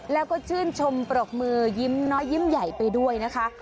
แล้วก็ชื่นชมปรบมือยิ้มน้อยยิ้มใหญ่ไปด้วยนะคะ